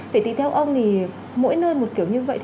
thì tùy theo ông thì mỗi nơi một kiểu như vậy